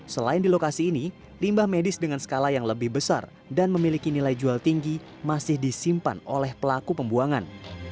selain di lokasi ini limbah medis dengan skala yang lebih besar dan memiliki nilai jual tinggi masih disimpan oleh pelaku pembuangan